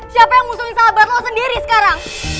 siapa yang musuhin sahabat lu sendiri sekarang